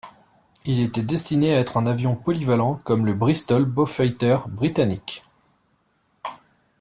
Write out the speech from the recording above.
Il était destiné à être un avion polyvalent, comme le Bristol Beaufighter britannique.